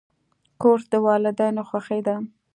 کورس د والدینو خوښي ده.